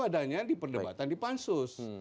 adanya di perdebatan di pansus